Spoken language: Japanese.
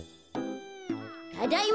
ただいま。